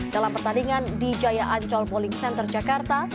dalam pertandingan di jaya ancol bowling center jakarta